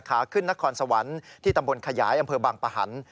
ขาขึ้นนครสวรรค์ที่ตำบลขยายอำเภอบางปะหัน